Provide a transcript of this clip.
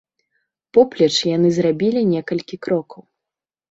Поплеч яны зрабілі некалькі крокаў.